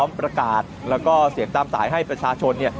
ประกาศแล้วก็เสียงตามสายให้ประชาชน